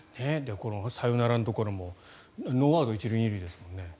サヨナラのところもノーアウト１塁２塁ですよね。